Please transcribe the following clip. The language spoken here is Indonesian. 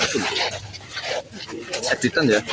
dr gibran beberapa menit ovatr